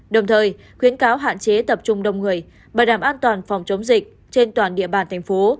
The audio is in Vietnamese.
đồng thời khuyến cáo hạn chế tập trung đông người bảo đảm an toàn phòng chống dịch trên toàn địa bàn thành phố